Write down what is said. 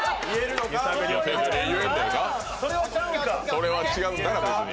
それは違うなら別に。